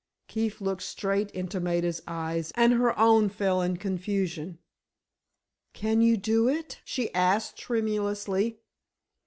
Keefe looked straight into Maida's eyes, and her own fell in confusion. "Can you do it?" she asked, tremulously.